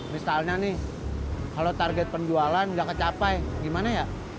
misalnya nih kalau target penjualan nggak kecapai gimana ya